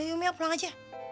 umi ya pulang aja